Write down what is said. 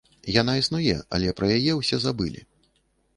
Яна існуе, але пра яе ўсе забылі.